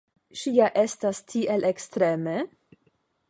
Ŝi ja estas tiel ekstreme?